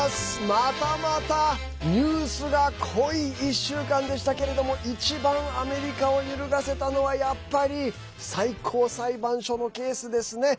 またまたニュースが濃い１週間でしたけれども一番アメリカを揺るがせたのはやっぱり最高裁判所のケースですね。